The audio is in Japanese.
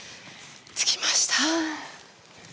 着きました。